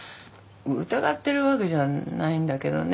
疑ってるわけじゃないんだけどね